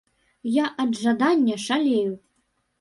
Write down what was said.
Я ад жадання шалею.